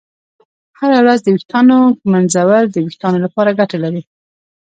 هره ورځ د ویښتانو ږمنځول د ویښتانو لپاره ګټه لري.